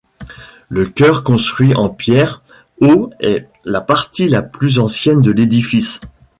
Le chœur construit en pierre au est la partie la plus ancienne de l'édifice.